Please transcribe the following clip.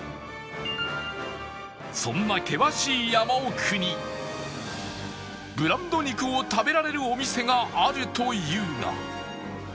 そんな険しい山奥にブランド肉を食べられるお店があるというが